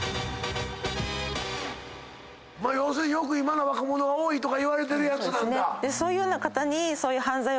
要するによく今の若者が多いとかいわれてるやつなんだ？